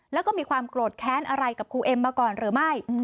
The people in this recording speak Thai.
แล้วก็มีความโกรธแค้นอะไรกับครูเอ็มมาก่อนหรือไม่